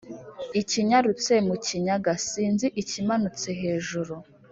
ikinyarutse mu kinyaga/ sinzi ikimanutse hejuru/